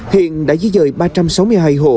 hiện đã di dời ba trăm sáu mươi hai hộ